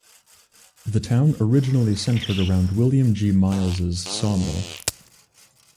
The town originally centered around William G. Miles's Sawmill.